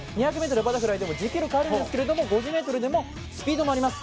２００ｍバタフライでも持久力あるんですけれども５０ｍでもスピードもあります。